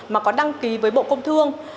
mà có đăng ký với bộ công thương